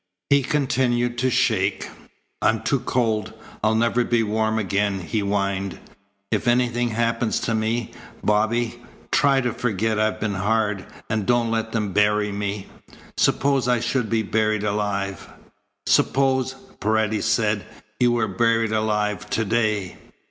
He continued to shake. "I'm too cold. I'll never be warm again," he whined. "If anything happens to me, Bobby, try to forget I've been hard, and don't let them bury me. Suppose I should be buried alive?" "Suppose," Paredes said, "you were buried alive to day?"